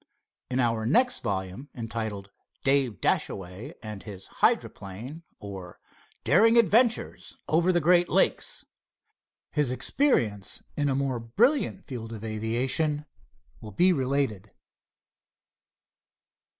In our next volume, entitled "Dave Dashaway and His Hydroplane; Or, Daring Adventures Over the Great Lakes," his experience in a more brilliant field of aviation will be related.